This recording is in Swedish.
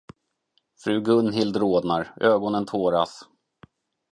Fru Gunhild rodnar, ögonen tåras.